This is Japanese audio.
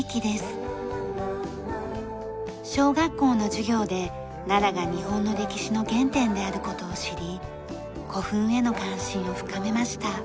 小学校の授業で奈良が日本の歴史の原点である事を知り古墳への関心を深めました。